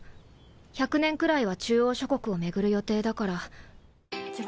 １００年くらいは中央諸国を巡る予定だから。